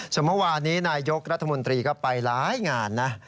ส่วนเมื่อวานนี้นายยกรัฐมนตรีก็ไปหลายงานนะ